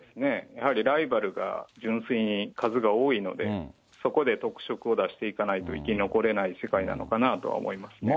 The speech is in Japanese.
やはりライバルが純粋に数が多いので、そこで特色を出していかないと生き残れない世界なのかなとは思いますね。